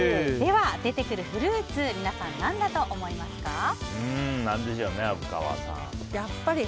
では、出てくるフルーツ皆さん、何だと思いますか？